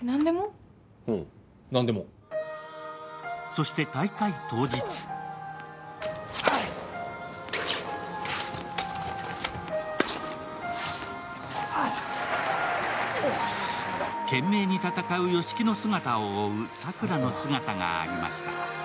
そして大会当日懸命に戦う吉木の姿を追う桜の姿がありました。